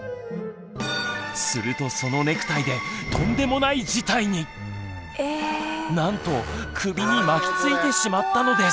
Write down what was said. するとそのなんと首に巻きついてしまったのです。